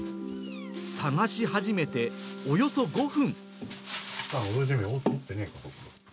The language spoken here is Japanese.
探し始めておよそ５分。